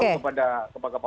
kepada kepala daerah